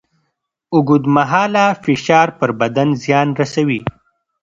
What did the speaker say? اوږدمهاله فشار پر بدن زیان رسوي.